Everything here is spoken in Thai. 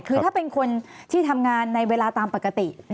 คือถ้าเป็นคนที่ทำงานในเวลาตามปกติ